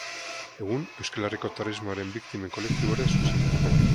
Egun Euskal Herriko Terrorismoaren Biktimen Kolektiboaren zuzendaria da.